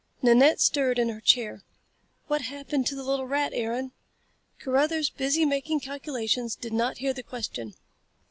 Nanette stirred in her chair. "What happened to the little rat, Aaron?" Carruthers, busy making calculations, did not hear the question.